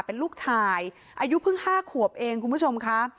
เป็นลูกชายอายุเพิ่ง๕ขวบเองคุณผู้ชมค่ะ